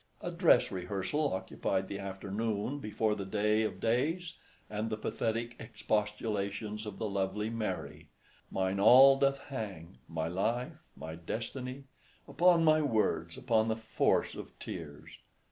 A dress rehearsal occupied the afternoon before the day of days, and the pathetic expostulations of the lovely Mary— Mine all doth hang—my life—my destiny— Upon my words—upon the force of tears!